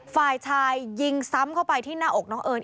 ฝ่ายชายยิงซ้ำเข้าไปที่หน้าอกน้องเอิญ